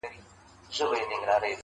وئېل ئې دا د خپلو خواهشونو غلامان دي -